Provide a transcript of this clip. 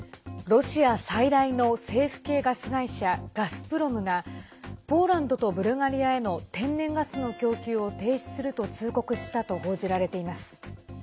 ロシア最大の政府系ガス会社、ガスプロムがポーランドとブルガリアへの天然ガスの供給を停止すると通告したと報じられています。